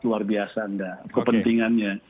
luar biasa anda kepentingannya